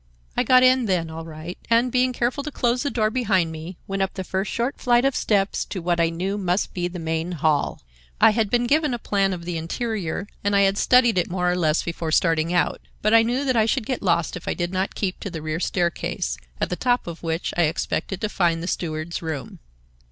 "I got in, then, all right, and, being careful to close the door behind me, went up the first short flight of steps to what I knew must be the main hall. I had been given a plan of the interior, and I had studied it more or less before starting out, but I knew that I should get lost if I did not keep to the rear staircase, at the top of which I expected to find the steward's room.